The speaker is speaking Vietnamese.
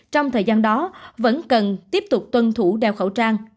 trong thời gian đó vẫn cần tiếp tục tuân thủ đeo khẩu trang